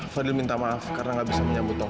fadil minta maaf karena gak bisa menyambut taufan